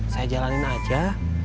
saya jalanin aja